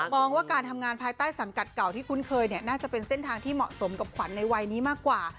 มองว่าการทำงานภายใต้สังกัดเก่าที่คุ้นเคยน่าจะเป็นเส้นทางที่เหมาะสมกับขวัญในวัยนี้มากกว่า